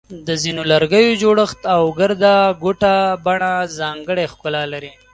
د ځینو لرګیو جوړښت او ګرده ګوټه بڼه ځانګړی ښکلا لري.